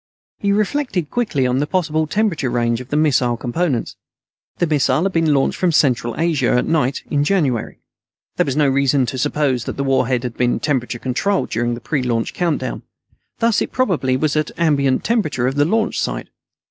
He reflected quickly on the possible temperature range of the missile components. The missile had been launched from Central Asia, at night, in January. There was no reason to suppose that the warhead had been temperature controlled during the pre launch countdown. Thus it probably was at the ambient temperature of the launch site.